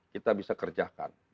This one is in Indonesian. kita bisa kerjakan